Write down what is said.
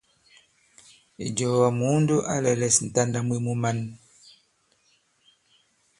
Ìjɔ̀ɔ̀wa, Mùundo a lɛ̄lɛ̄s ǹtanda mwe mu man.